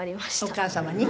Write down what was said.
お母様に？